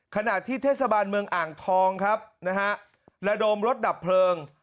ขณะที่เทศบาลเมืองอ่างทองครับนะฮะระดมรถดับเพลิง